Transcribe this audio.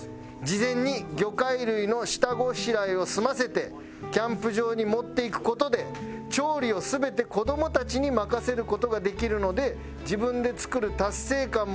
「事前に魚介類の下ごしらえを済ませてキャンプ場に持っていく事で調理を全て子どもたちに任せる事ができるので自分で作る達成感もあり楽しいんです」